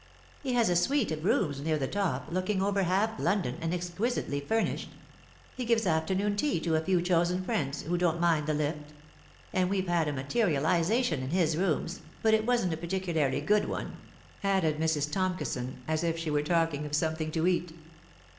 " He has a suite of rooms near the top, looking over half London, and exquisitely furnished. He gives afternoon tea to a few chosen friends who don't mind the lift ; and we have had a Materialisation in his rooms, but it wasn't a particularly good one," added Mrs. Tomkison, as if she were talking of something to eat.